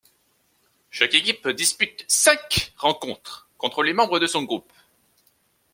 Chaque équipe dispute cinq rencontres contre les membres de son groupe.